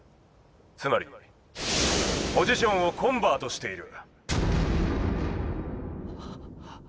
つまりポジションをコンバートしている」。